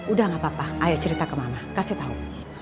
udah gak apa apa ayo cerita kemana kasih tahu